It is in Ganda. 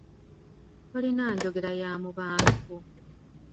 Tolina njoggera ya mu bantu.